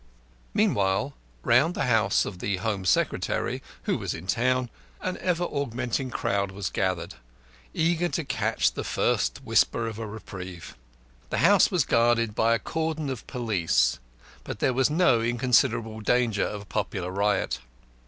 Meantime, round the house of the Home Secretary, who was in town, an ever augmenting crowd was gathered, eager to catch the first whisper of a reprieve. The house was guarded by a cordon of police, for there was no inconsiderable danger of a popular riot.